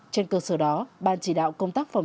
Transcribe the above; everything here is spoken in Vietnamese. trên cơ sở đó ban chỉ đạo công tác phòng